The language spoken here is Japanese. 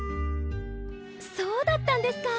そうだったんですか。